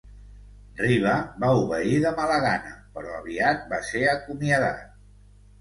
Ryba va obeir de mala gana, però aviat va ser acomiadat.